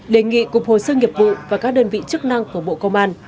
đề nghị cục hồ sơ nghiệp vụ và các đơn vị chức năng của bộ công an